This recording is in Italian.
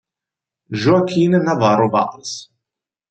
Joaquín Navarro-Valls.